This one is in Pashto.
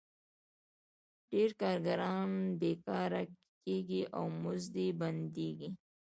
ډېر کارګران بېکاره کېږي او مزد یې بندېږي